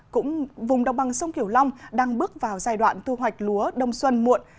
cũng vùng đồng bằng sông kiểu long đang bước vào giai đoạn thu hoạch lúa đông xuân muộn